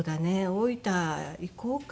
大分行こうか」